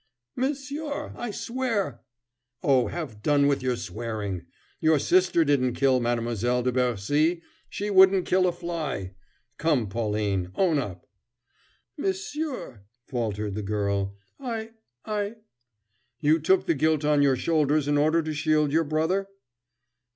"Monsieur, I swear " "Oh, have done with your swearing! Your sister didn't kill Mademoiselle de Bercy. She wouldn't kill a fly. Come, Pauline, own up!" "Monsieur," faltered the girl, "I I " "You took the guilt on your shoulders in order to shield your brother?"